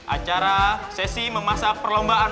acara sesi memasak perlombaan